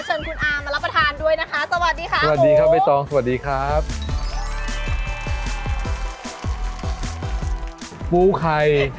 เชิญคุณอามมารับประทานด้วยนะคะ